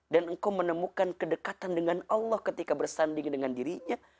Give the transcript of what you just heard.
dan kau menemukan kedekatan dengan allah ketika bersanding dengan dirinya